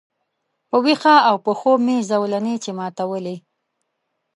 په ویښه او په خوب مي زولنې چي ماتولې